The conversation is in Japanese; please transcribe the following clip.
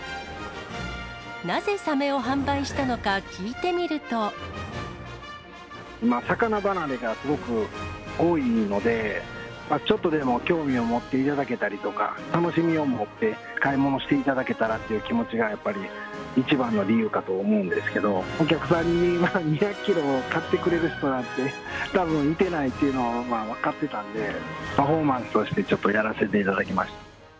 なぜサメを販売したのか、聞いて今、魚離れがすごく多いので、ちょっとでも興味を持っていただけたりとか、楽しみを持って買い物をしていただけたらという気持ちがやっぱり一番の理由かと思うんですけど、お客さんに２００キロ買ってくれる人なんて、たぶんいてないというのは分かってたんで、パフォーマンスとしてちょっとやらせていただきました。